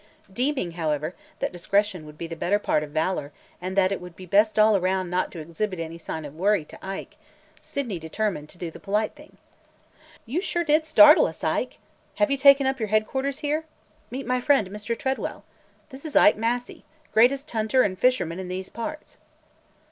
Deeming, however, that discretion would be the better part of valor and that it would be best all around not to exhibit any signs of worry to Ike, Sydney determined to do the polite thing. "You sure did startle us, Ike! Have you taken up your headquarters here? Meet my friend Mr. Tredwell! This is Ike Massey, greatest hunter and fisherman in these parts."